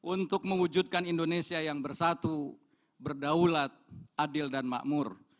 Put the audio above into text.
untuk mewujudkan indonesia yang bersatu berdaulat adil dan makmur